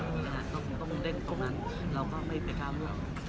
เขาฝึกต้องมูดเล่นกล้ามนั้นแล้วก็ไม่ไปกล้าหรอกนะครับ